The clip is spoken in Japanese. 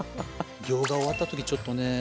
行が終わった時ちょっとね